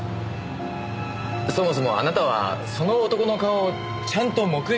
そもそもあなたはその男の顔をちゃんと目撃したんですか？